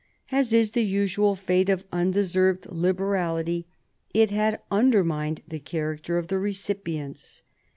As is the usual fate of undeserved liberality, it had undermined the character of the recipients.